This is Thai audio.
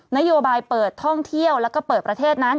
นโยบายเปิดท่องเที่ยวแล้วก็เปิดประเทศนั้น